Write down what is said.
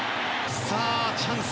さあ、チャンス。